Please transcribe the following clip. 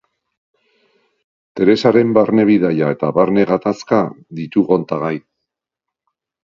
Teresaren barne-bidaia eta barne-gatazka ditu kontagai.